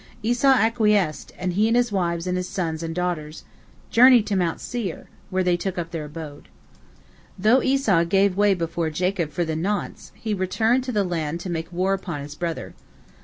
Esau acquiesced, and he and his wives and his sons and daughters journeyed to Mount Seir, where they took up their abode. Though Esau gave way before Jacob for the nonce, he returned to the land to make war upon his brother.